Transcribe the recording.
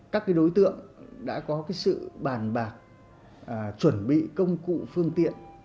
các đối tượng đã có sự bàn bạc chuẩn bị công cụ phương tiện